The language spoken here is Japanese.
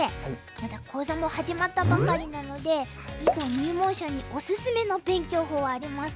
まだ講座も始まったばかりなので囲碁入門者におすすめの勉強法ありますか？